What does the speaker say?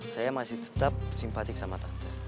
saya masih tetap simpatik sama tante